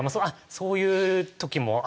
そういう時もあります。